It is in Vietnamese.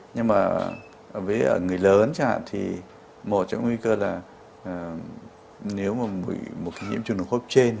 nhưng mà với người lớn chẳng hạn thì một trong nguy cơ là nếu mà một cái nhiễm trùng đường hốp trên